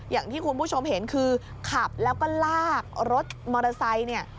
อย่างที่คุณผู้ชมเห็นคือขับแล้วก็ลากรถมอเตอร์ไซค์เนี่ย